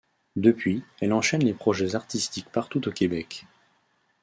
Depuis, elle enchaine les projets artistiques partout au Québec.